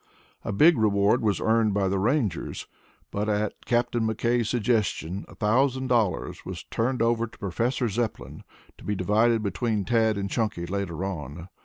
A big reward was earned by the Rangers, but at Captain McKay's suggestion, a thousand dollars was turned over to Professor Zepplin to be divided between Tad and Chunky later on.